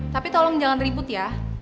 tapi tolong jangan ribut ya